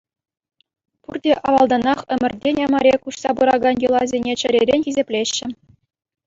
Пурте авалтанах ӗмӗртен ӗмӗре куҫса пыракан йӑласене чӗререн хисеплеҫҫӗ.